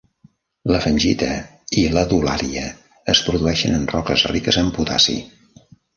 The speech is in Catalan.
La fengita i l'adulària es produeixen en roques riques en potassi.